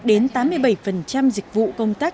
đến tám mươi bảy dịch vụ công tác